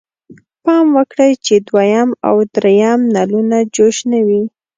پام وکړئ چې دویم او دریم نلونه جوش نه وي.